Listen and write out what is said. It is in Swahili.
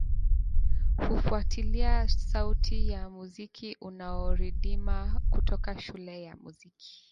Hufuatilia sauti ya muziki unaorindima kutoka shule ya muziki